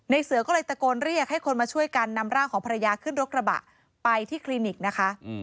เสือก็เลยตะโกนเรียกให้คนมาช่วยกันนำร่างของภรรยาขึ้นรถกระบะไปที่คลินิกนะคะ